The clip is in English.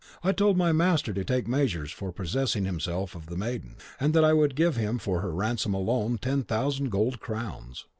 I told my master to take measures for possessing himself of the maiden, and that I would give him for her ransom alone ten thousand gold crowns.